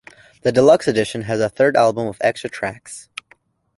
The deluxe edition has a third album with extra tracks.